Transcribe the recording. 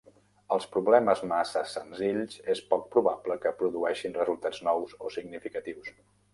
Els problemes massa senzills és poc probable que produeixin resultats nous o significatius.